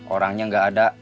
orangnya gak ada